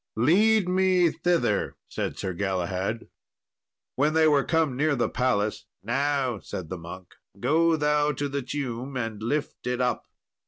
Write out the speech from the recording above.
"Lead me thither," said Sir Galahad. When they were come near the place, "Now," said the monk, "go thou to the tomb, and lift it up."